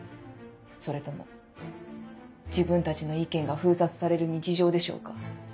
それとも自分たちの意見が封殺される日常でしょうか？